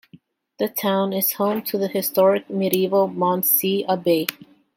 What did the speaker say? The town is home to the historic medieval Mondsee Abbey.